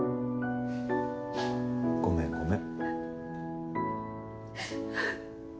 ごめんごめん。